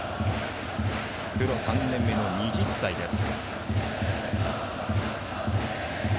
プロ３年目の２０歳です。